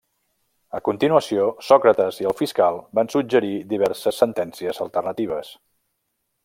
A continuació, Sòcrates i el fiscal van suggerir diverses sentències alternatives.